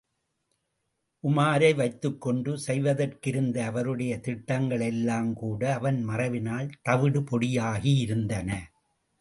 உமாரை வைத்துக்கொண்டு செய்வதற்கிருந்த அவருடைய திட்டங்களெல்லாம்கூட அவன் மறைவினால் தவிடு பொடியாகியிருந்தன.